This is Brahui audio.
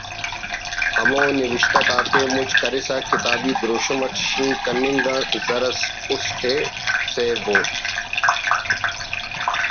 ہمو نوشت آتے مُچ کرسہ کتابی دروشم اٹ شینک کننگ آن زرس اُست ئے سیبو